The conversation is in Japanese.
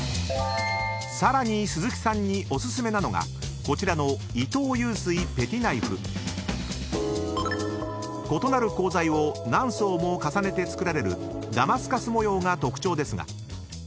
［さらに鈴木さんにお薦めなのがこちらの伊藤裕翠ペティナイフ］［異なる鋼材を何層も重ねて作られるダマスカス模様が特徴ですが］